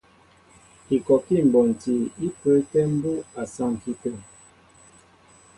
Ikɔkí mbonti í pə́ə́tɛ̄ mbú' a saŋki tə̂.